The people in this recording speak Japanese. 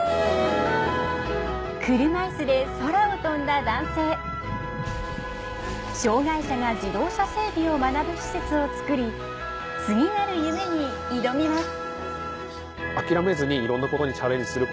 車いすで空を飛んだ男性障がい者が自動車整備を学ぶ施設をつくり次なる夢に挑みます